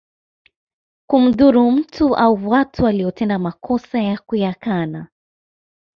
Kumdhuru mtu au watu waliotenda makosa na kuyakana